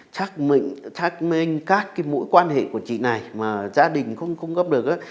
xác minh các mũi quan hệ của chị này mà gia đình không cung cấp được